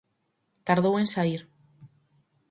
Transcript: Tardou en saír.